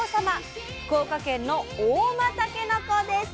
福岡県の「合馬たけのこ」です。